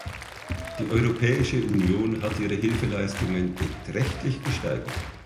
Die Europäische Union hat ihre Hilfeleistungen beträchtlich gesteigert.